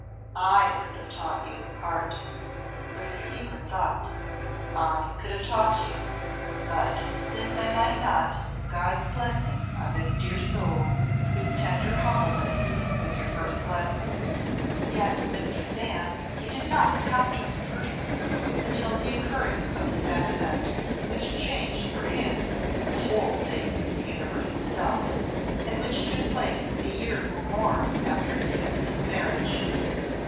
"I could have taught you, Heart," was his secret thought; "I could have taught you, but since I might not, God's blessing on this dear soul whose tender humbleness was your first lesson." Yet Mistress Anne he did not encounter in person until the occurring of the sad event which changed for him the whole face of the universe itself, and which took place a year or more after his kinsman's marriage.